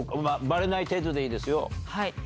バレない程度でいいですよ。